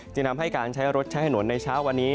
จึงทำให้การใช้รถใช้ถนนในเช้าวันนี้